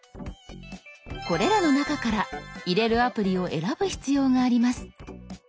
これらの中から入れるアプリを選ぶ必要があります。